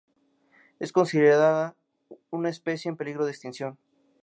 Es considerada una especie en peligro de extinción.